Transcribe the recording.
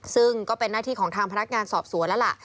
ซึ่งก็เป็นหน้าที่ของทางพนักงานสอบสวนแล้วล่ะ